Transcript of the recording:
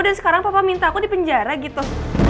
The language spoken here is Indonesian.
dan sekarang papa minta aku di penjara gitu